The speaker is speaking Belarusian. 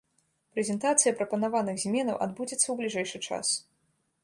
Прэзентацыя прапанаваных зменаў адбудзецца ў бліжэйшы час.